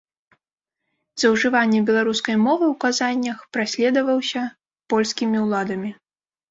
За ўжыванне беларускай мовы ў казаннях праследаваўся польскімі ўладамі.